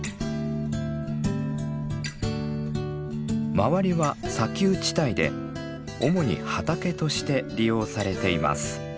周りは砂丘地帯で主に畑として利用されています。